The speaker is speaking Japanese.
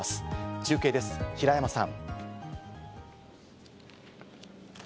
中継です、平山さん。